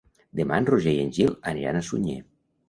Demà en Roger i en Gil aniran a Sunyer.